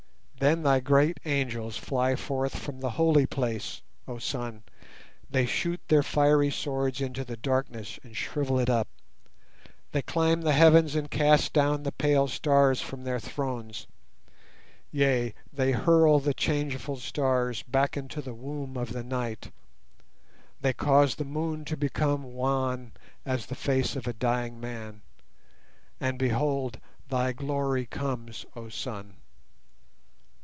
Then thy great angels fly forth from the Holy Place, oh Sun, They shoot their fiery swords into the darkness and shrivel it up. They climb the heavens and cast down the pale stars from their thrones; Yea, they hurl the changeful stars back into the womb of the night; They cause the moon to become wan as the face of a dying man, And behold! Thy glory comes, oh Sun!